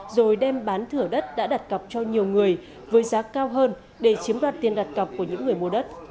rồi đem bán thửa đất đã đặt cọc cho nhiều người với giá cao hơn để chiếm đoạt tiền đặt cọc của những người mua đất